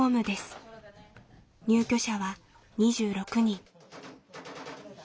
入居者は２６人。